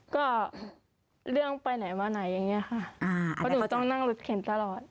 ก็เรื่องไปไหนมาไหนอย่างเงี้ยค่ะอ่าอันนี้ก็ต้องนั่งหลุดเข็มตลอด